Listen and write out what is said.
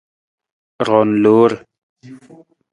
Roon loor.